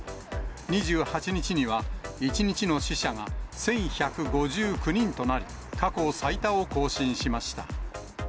２８日には１日の死者が１１５９人となり、過去最多を更新しました。